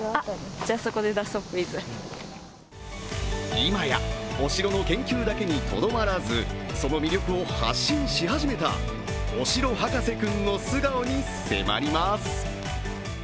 今や、お城の研究だけにとどまらず、その魅力を発信し始めたお城博士くんの素顔に迫ります。